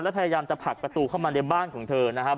และจะพักป่าตูเข้ามาในบ้านของเธอนะครับ